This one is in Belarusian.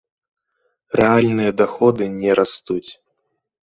Рэальныя даходы не растуць.